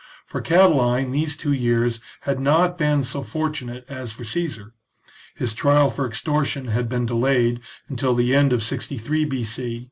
For Catiline these two years had not been so fortunate as for Caesar ; his trial for ex tortion had been delayed until the end of 63 B.C.